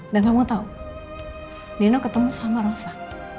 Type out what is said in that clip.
dan kamu tau nino ketemu sama rosa